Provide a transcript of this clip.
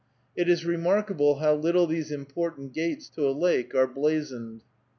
It is remarkable how little these important gates to a lake are blazoned.